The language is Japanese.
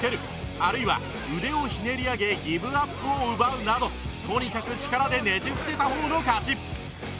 あるいは腕を捻り上げギブアップを奪うなどとにかく力でねじ伏せた方の勝ち